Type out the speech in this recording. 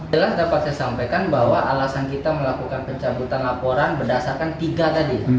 jelas dapat saya sampaikan bahwa alasan kita melakukan pencabutan laporan berdasarkan tiga tadi